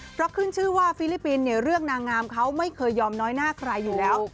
เพราะขึ้นชื่อว่าฟิลิปปินส์เนี่ยเรื่องนางงามเขาไม่เคยยอมน้อยหน้าใครอยู่แล้ว